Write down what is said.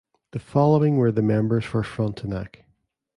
The following were the members for Frontenac.